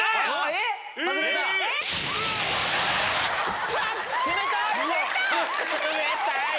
え⁉冷たい！